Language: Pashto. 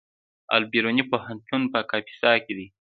د البیروني پوهنتون په کاپیسا کې دی